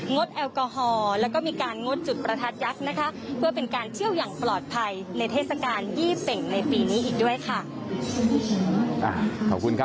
งดแอลกอฮอล์งดจุดประทัดยัดนะคะ